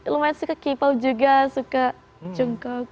lumayan suka k pop juga suka jungkook